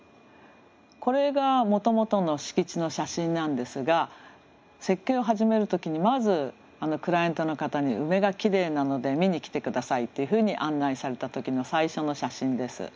これがもともとの敷地の写真なんですが設計を始める時にまずクライアントの方に梅がきれいなので見に来て下さいというふうに案内された時の最初の写真です。